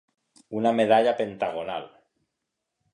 Una medalla pentagonal.